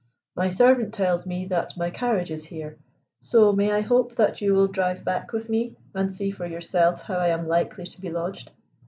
"My servant tells me that my carriage is here, so may I hope that you will drive back with me and see for yourself how I am likely to be lodged?"